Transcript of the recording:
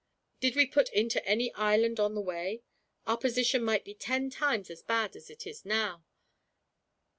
Did we put into any island on the way, our position might be ten times as bad as it now is.